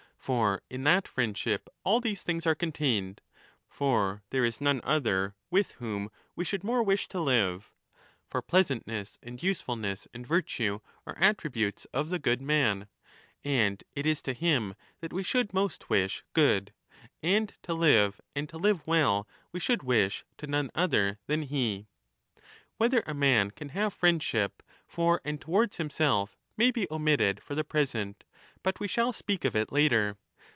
For in that friendship all these things are contained ; for there is none other with whom we should more wish to live (for pleasantness and 30 usefulness and virtue are attributes of the good man), and it is to him that we should most wish good, and to live and to live well we should wish to none other than he. Whether a man can have friendship for and towards himself may be omitted for the present, but we shall speak of it later.